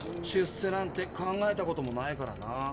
出世なんて考えたこともないからな。